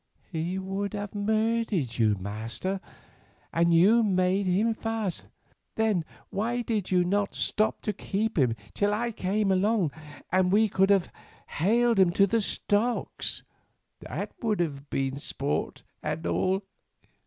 "He would have murdered you, Master, and you made him fast! Then why did you not stop to keep him till I came along, and we would have haled him to the stocks? That would have been sport and all.